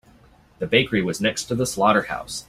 The bakery was next to the slaughterhouse.